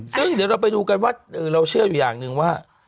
ซึ่งเดี๋ยวเราไปดูกันว่าเราเชื่ออยู่อย่างหนึ่งว่า